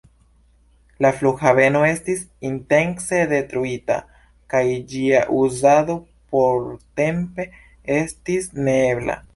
La flughaveno estis intence detruita, kaj ĝia uzado portempe estis neebla.